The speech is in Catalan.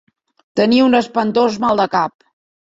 Tenia un espantós mal de cap.